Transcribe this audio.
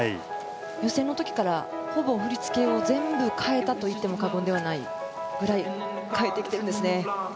予選の時からほぼ振り付けを全部変えたといっても過言じゃないぐらい変えてきています。